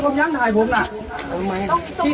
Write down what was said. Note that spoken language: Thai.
พี่ขออนุญาตผมยังถ่ายผมน่ะไม่พี่ขออนุญาตผมยัง